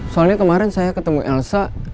soalnya kemarin saya ketemu elsa